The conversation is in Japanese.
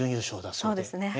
そうですね。